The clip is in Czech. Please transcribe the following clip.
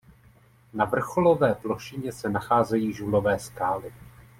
Na vrcholové plošině se nacházejí žulové skály.